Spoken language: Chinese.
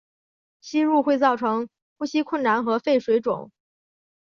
吸入会造成呼吸困难和肺水肿。